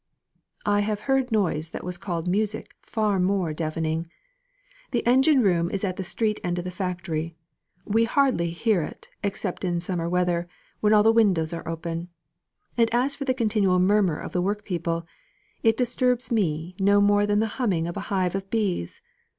"I have heard noise that was called music far more deafening. The engine room is at the street end of the factory; we hardly hear it, except in summer weather, when all the windows are open; and as for the continual murmur of the workpeople, it disturbs me no more than the humming of a hive of bees.